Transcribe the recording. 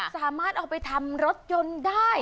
สามารถเอาไปทำรถยนต์ได้